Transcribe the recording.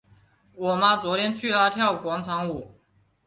我妈昨天去了跳广场舞。